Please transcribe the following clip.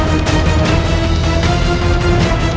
menggunakan dunia buck